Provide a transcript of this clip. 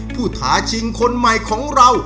ท้าชิงคนใหม่ของเรา